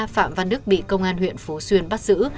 phạm văn đức bị công an huyện phú xuyên bắt giữ